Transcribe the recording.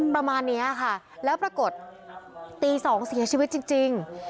ประมาณนี้ค่ะแล้วปรากฏตี๒เสียชีวิตจริง